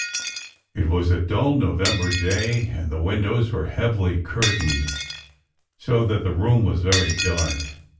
IT was a dull November day, and the windows were heavily curtained, so that the room was very dark.